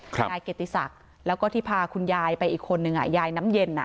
นายเกียรติศักดิ์แล้วก็ที่พาคุณยายไปอีกคนนึงยายน้ำเย็น